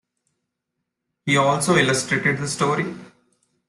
He also illustrated the story ?